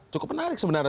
cukup menarik sebenarnya